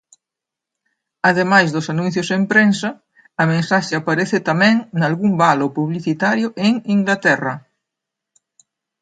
Ademais dos anuncios en prensa, a mensaxe aparece tamén nalgún valo publicitario en Inglaterra.